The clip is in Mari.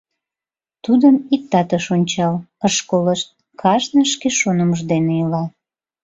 Тудым иктат ыш ончал, ыш колышт — кажне шке шонымыж дене ила.